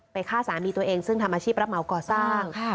ฆ่าสามีตัวเองซึ่งทำอาชีพรับเหมาก่อสร้าง